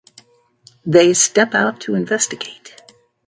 They step out to investigate.